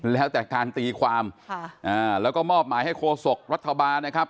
แล้วแต่การตีความแล้วก็มอบหมายให้โคศกรัฐบาลนะครับ